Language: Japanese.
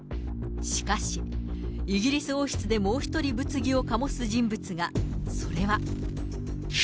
しかし、イギリス王室でもう１人物議を醸す人物が、それは。